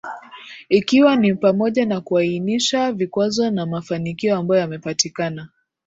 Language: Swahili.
ikiwa ni pamoja na kuainisha vikwazo na mafanikio ambayo yamepatikana